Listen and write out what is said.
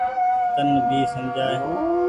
تن ڀي سمجهائي۔